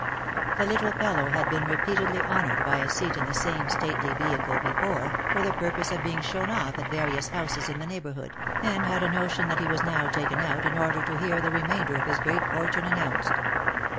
The little fellow had been repeatedly honoured by a seat in the same stately vehicle before, for the purpose of being shown off at various houses in the neighbour hood, and had a notion that he was now taken out, in order to hear the remainder of his great fortune announced.